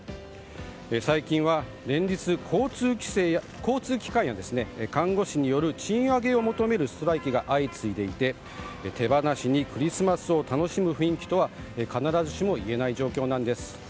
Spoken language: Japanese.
最近は、連日交通機関や看護師による賃上げを求めるストライキが相次いでいて手放しにクリスマスを楽しむ雰囲気とは必ずしも言えない状況なんです。